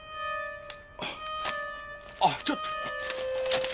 あっちょっと。